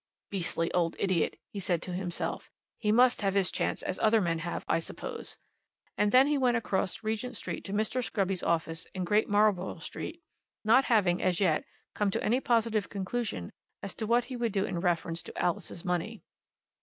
"Beastly old idiot!" he said to himself, "he must have his chance as other men have, I suppose," And then he went across Regent Street to Mr. Scruby's office in Great Marlborough Street, not having, as yet, come to any positive conclusion as to what he would do in reference to Alice's money.